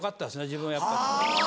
自分はやっぱり。